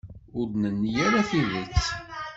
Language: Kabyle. Ur d-nenni ara tidet.